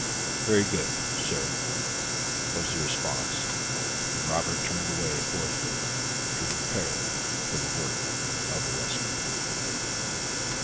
"Very good, sir," was the response. And Roberts turned away forthwith to prepare for the work of rescue.